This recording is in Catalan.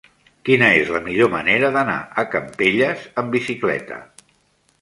Quina és la millor manera d'anar a Campelles amb bicicleta?